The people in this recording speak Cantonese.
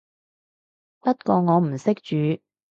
不過我唔識煮